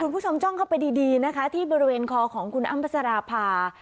คุณผู้ชมจ้องเข้าไปดีนะคะที่บริเวณคอของคุณอ้ำพัชราภา